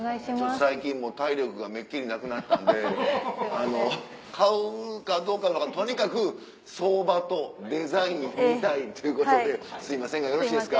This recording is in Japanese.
最近体力がめっきりなくなったんで買うかどうかはとにかく相場とデザイン見たいということですいませんがよろしいですか。